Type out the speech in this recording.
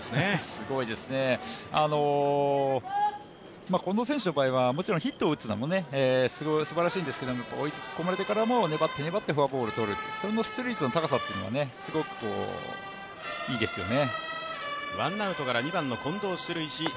すごいですね、近藤選手はヒットを打つのもすばらしいんですけど、追い込まれてからも粘って粘って打つ、それの出塁率の高さはすごくいいですよね。